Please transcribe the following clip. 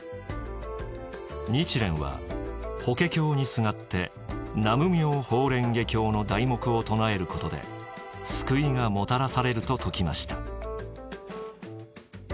日蓮は「法華経にすがって南無妙法蓮華経の題目を唱えることで救いがもたらされる」と説きました。